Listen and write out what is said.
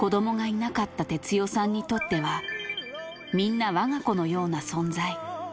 子どもがいなかった哲代さんにとっては、みんなわが子のような存在。